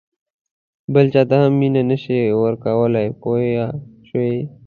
بل چاته هم مینه نه شې ورکولای پوه شوې!.